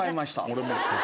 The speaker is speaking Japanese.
俺も。